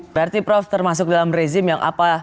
berarti prof termasuk dalam rezim yang apa